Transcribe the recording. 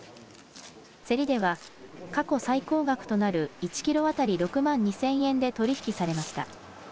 競りでは過去最高額となる１キロ当たり６万２０００円で取り引きされました。